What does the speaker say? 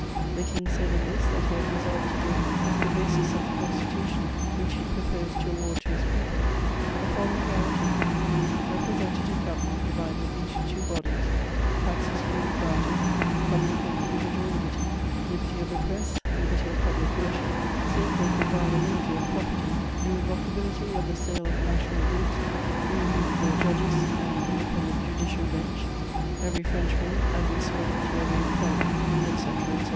The King said in this that he had resolved to give, as the basis of the Constitution which he proposed to award to his people, the following guarantees: representative government divided into two bodies, taxes freely granted, public and individual liberty, liberty of the press, liberty of public worship, sacred inviolability of property, irrevocability of the sale of national goods, irremovable judges and an independent judicial bench, every Frenchman admissible to every employment, etc., etc.